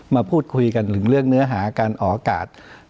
มาพูดคุยกันถึงเรื่องเนื้อหาการออกอากาศ